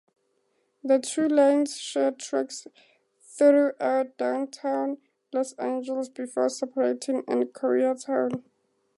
The two lines share tracks through Downtown Los Angeles before separating in Koreatown.